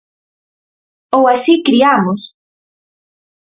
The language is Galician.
Ou así criamos.